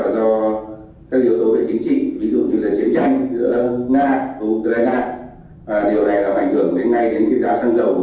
điều này làm ảnh hưởng ngay đến giá xăng dầu